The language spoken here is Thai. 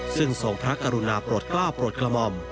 ซึ่งทรงพระกรุณาโปรดกล้าวโปรดกระหม่อม